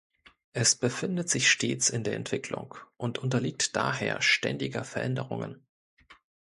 Es befindet sich stets in der Entwicklung und unterliegt daher ständiger Veränderungen.